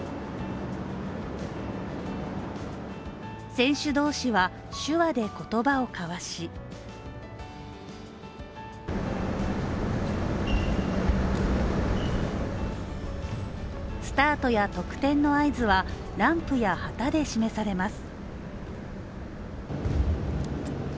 選手同士は、手話で言葉を交わしスタートや得点の合図はランプや旗で示されます。